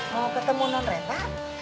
mau ketemu nonrepa